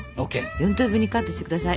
４等分にカットして下さい。